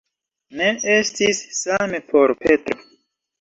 Ne estis same por Petro.